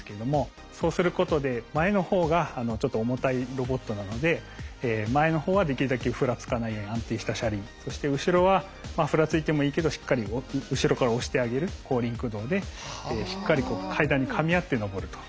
そうすることで前の方がちょっと重たいロボットなので前の方はできるだけふらつかないように安定した車輪そして後ろはふらついてもいいけどしっかり後ろから押してあげる後輪駆動でしっかり階段にかみ合って上ると。